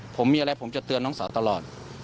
ผมมีอะไรผมจะเตือนน้องสาวตลอด